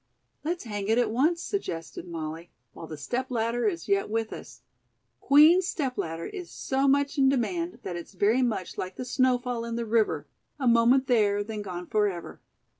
"Let's hang it at once," suggested Molly, "while the step ladder is yet with us. Queen's step ladder is so much in demand that it's very much like the snowfall in the river, 'a moment there, then gone forever.'"